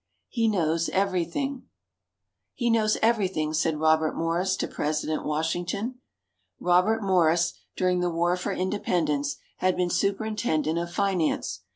"HE KNOWS EVERYTHING" "He knows everything," said Robert Morris to President Washington. Robert Morris, during the War for Independence, had been Superintendent of Finance.